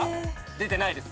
出てないです。